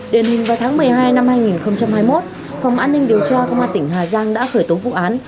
đền hình vào tháng một mươi hai năm hai nghìn hai mươi một phòng an ninh điều tra công an tỉnh hà giang đã khởi tố vụ án